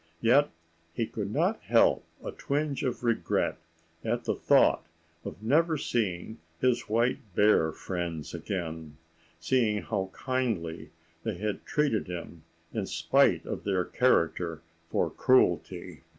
Yet he could not help a twinge of regret at the thought of never seeing his white bear friends again, seeing how kindly they had treated him in spite of their character for cruelty.